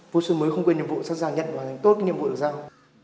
vô xuân mới không quên nhiệm vụ sẵn sàng nhận hoàn thành tốt cái nhiệm vụ được sao